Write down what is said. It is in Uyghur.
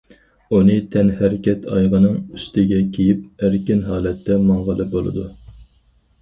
ئۇنى تەنھەرىكەت ئايىغىنىڭ ئۈستىگە كىيىپ، ئەركىن ھالەتتە ماڭغىلى بولىدۇ.